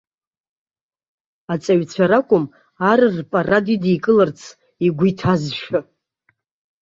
Аҵаҩцәа ракәым, ар рпарад идикыларц игәы иҭазшәа.